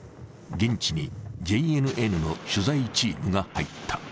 現地にＪＮＮの取材チームが入った。